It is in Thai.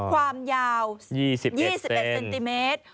ความยาว๒๑เซนติเมตร